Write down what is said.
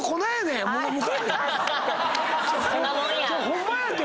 ホンマやって！